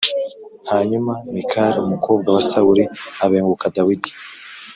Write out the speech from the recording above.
Hanyuma Mikali umukobwa wa Sawuli abenguka Dawidi